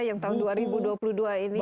yang tahun dua ribu dua puluh dua ini